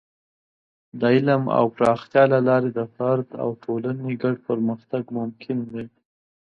د علم د پراختیا له لارې د فرد او ټولنې ګډ پرمختګ ممکن دی.